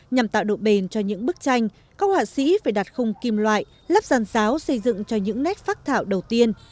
nhằm tạo độ bền cho những bức tranh các họa sĩ phải đặt khung kim loại lắp rán giáo xây dựng cho những nét phác thảo đầu tiên